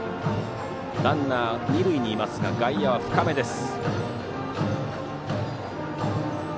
ランナー、二塁にいますが外野は深めです。